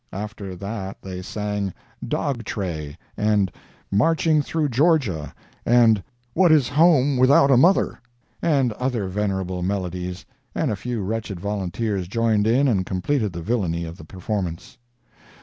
After that they sang "Dog Tray," and "Marching Through Georgia," and "What is Home Without a Mother," and other venerable melodies, and a few wretched volunteers joined in and completed the villainy of the performance.